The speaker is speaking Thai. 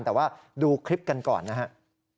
แต่ว่าดูคลิปกันก่อนนะครับ